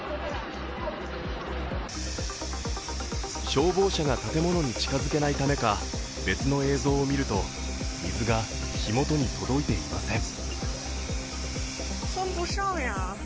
消防車が建物に近づけないためか、別の映像を見ると水が火元に届いていません。